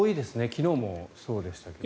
昨日もそうでしたけど。